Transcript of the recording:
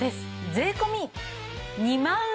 税込２万円。